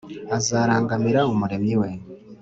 azarangamira Umuremyi we